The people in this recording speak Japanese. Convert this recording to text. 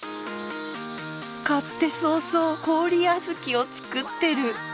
買って早々氷あづきを作ってる！